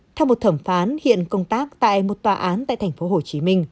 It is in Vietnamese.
theo một thẩm phán hiện công tác tại một tòa án tại tp hcm